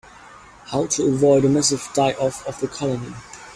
How to avoid a massive die-off of the colony.